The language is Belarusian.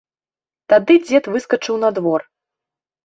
Тады дзед выскачыў на двор.